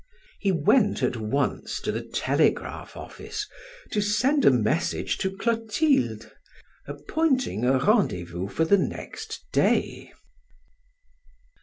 He went at once to the telegraph office to send a message to Clotilde, appointing a rendezvous for the next day.